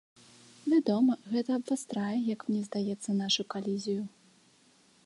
Вядома, гэта абвастрае, як мне здаецца, нашу калізію.